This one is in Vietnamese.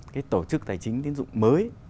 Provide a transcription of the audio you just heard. cái tổ chức tài chính tiêu dùng mới